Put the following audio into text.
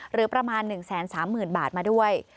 หรือประมาณ๑๓๐๐๐บาทมาด้วย